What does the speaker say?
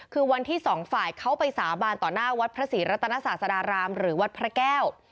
คือวันที่สองฝ่ายเขาไปสาบานต่อหน้าวัดพระศรีรัตนศาสดารามหรือวัดพระแก้ว